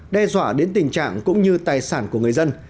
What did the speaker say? đe dọa đến tình trạng cũng như tài sản của người dân